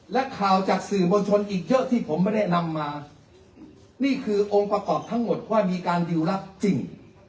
และข่าวจากสื่อมวลชนอีกเยอะที่ผมไม่ได้นำมานี่คือองค์ประกอบทั้งหมดว่ามีการดิวรับจริง